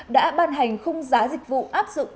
đã bàn hành khung giá dịch vụ áp dụng